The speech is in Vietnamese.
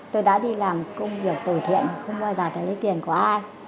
tôi đã đi làm công việc từ thiện không bao giờ thấy lấy tiền của ai